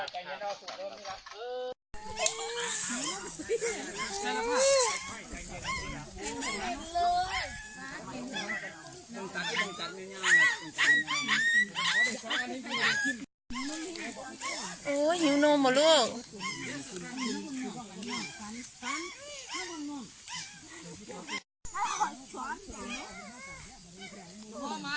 เที่ยวมากจริงจริงค่ะ